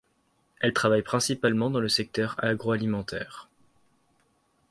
Elle travaille principalement dans le secteur agroalimentaire.